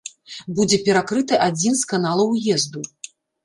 Будзе перакрыты адзін з каналаў уезду.